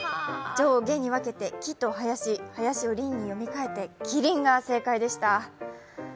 上下に分けて「木」と「林」、林をリンに読み替えて、キリンが正解でしあ。